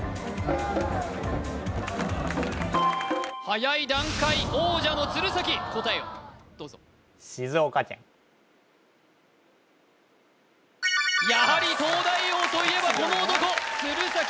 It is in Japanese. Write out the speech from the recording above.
はやい段階王者の鶴崎答えをどうぞやはり東大王といえばこの男鶴崎